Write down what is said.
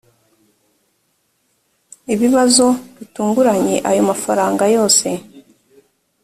ibibazo bitunguranye ayo mafaranga yose